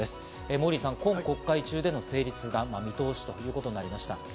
モーリーさん、今国会中での成立見通しということになりました。